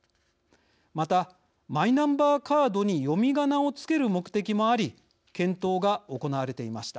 また、マイナンバーカードに読みがなを付ける目的もあり検討が行われていました。